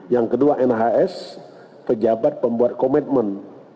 yang kedua nhs pejabat pembuat komitmen